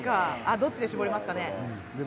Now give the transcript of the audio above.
どっちで絞りますかね？